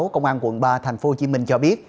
công an quận ba tp hcm cho biết